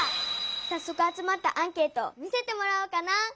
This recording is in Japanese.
さっそく集まったアンケートを見せてもらおうかな。